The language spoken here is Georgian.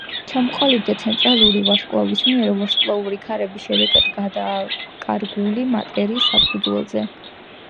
ჩამოყალიბდა ცენტრალური ვარსკვლავის მიერ ვარსკვლავური ქარების შედეგად დაკარგული მატერიის საფუძველზე.